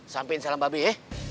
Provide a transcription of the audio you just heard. sampai insya allah mbak be eh